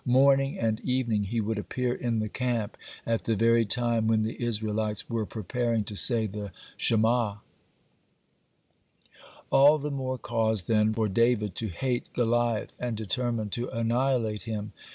Morning and evening he would appear in the camp at the very time when the Israelites were preparing to say the Shema. (32) All the more cause, then, for David to hate Goliath and determine to annihilate him.